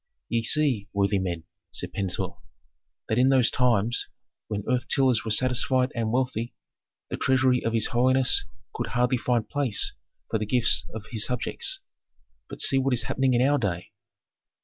"Ye see, worthy men," said Pentuer, "that in those times, when earth tillers were satisfied and wealthy, the treasury of his holiness could hardly find place for the gifts of his subjects. But see what is happening in our day."